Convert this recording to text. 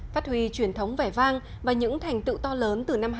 phát huy truyền thống vẻ vang và những thành tựu to lớn từ năm hai nghìn một mươi ba